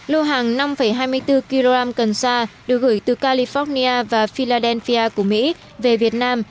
lô hàng năm hai mươi bốn kg cần sa được gửi từ california và philadelphia của mỹ về việt nam